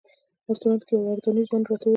رسټورانټ کې یو اردني ځوان راته وویل.